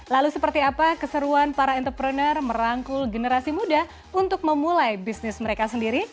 lalu seperti apa keseruan para entrepreneur merangkul generasi muda untuk memulai bisnis mereka sendiri